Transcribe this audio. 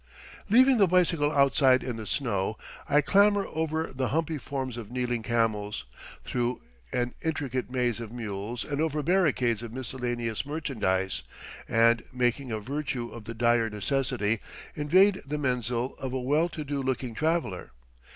Leaving the bicycle outside in the snow, I clamber over the humpy forms of kneeling camels, through an intricate maze of mules and over barricades of miscellaneous merchandise, and, making a virtue of dire necessity, invade the menzil of a well to do looking traveller.